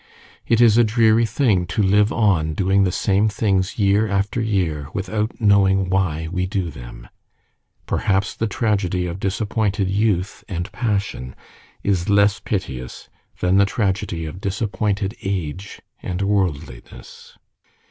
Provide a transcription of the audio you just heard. It is a dreary thing to live on doing the same things year after year, without knowing why we do them. Perhaps the tragedy of disappointed youth and passion is less piteous than the tragedy of disappointed age and worldliness.